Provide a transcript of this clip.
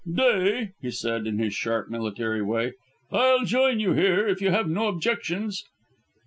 "'Day," he said in his sharp, military way. "I'll join you here, if you have no objections."